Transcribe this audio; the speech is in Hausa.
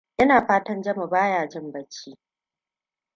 Ina fatan Jami ba ya jin bacci.